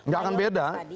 gak akan beda